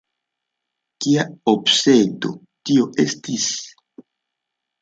Kia obsedo tio estis?